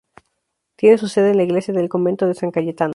Tiene su sede en la iglesia del convento de San Cayetano.